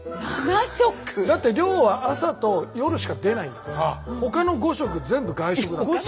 だって寮は朝と夜しか出ないんだからほかの５食全部外食だから。